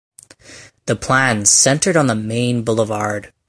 The plan centered on the main boulevard.